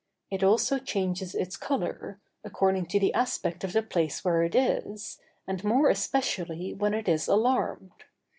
It also changes its color, according to the aspect of the place where it is, and more especially when it is alarmed.